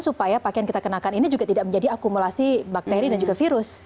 supaya pakaian kita kenakan ini juga tidak menjadi akumulasi bakteri dan juga virus